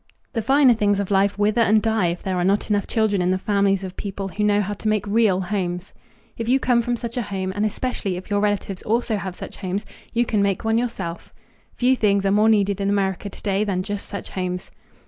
The finer things of life wither and die if there are not enough children in the families of people who know how to make real homes. If you came from such a home, and especially if your relatives also have such homes, you can make one yourself. Few things are more needed in America today than just such homes.